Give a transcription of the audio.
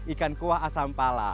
ikan kuah asam pala